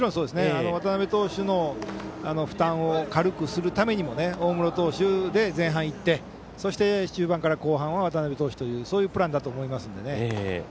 渡辺投手の負担を軽くするためにも大室投手で前半はいって中盤から後半は渡辺投手というそういうプランだと思います。